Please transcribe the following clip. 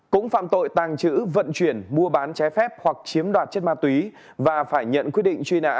cũng phạm tội tàng trữ vận chuyển mua bán trái phép hoặc chiếm đoạt chất ma túy và phải nhận quyết định truy nã